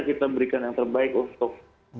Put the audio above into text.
kita berikan yang terbaik untuk